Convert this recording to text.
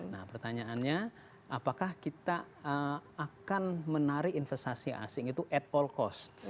nah pertanyaannya apakah kita akan menarik investasi asing itu at all cost